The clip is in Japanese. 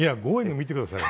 見てくださいよ。